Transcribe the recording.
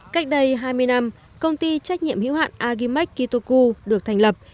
cách đây hai mươi năm công ty trách nhiệm hữu hạn agimax kitoku được thành lập